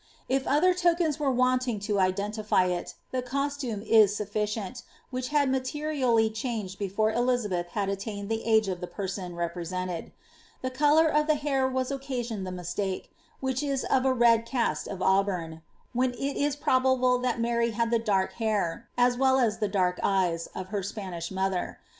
If other laktm were wanting to identify it, the costume is sufficient, which had materiiDT changed before Elizabeth had attained the age of the person represented The colour of the hair has occasioned the mistake, which is of a nd cast of auburn, when it is probable that Mary had the dark hair, as wcD as the dark eyes, of her Spanish mother.